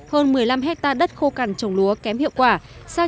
hơn một mươi năm hectare đất khô cằn trồng lúa kém hiệu quả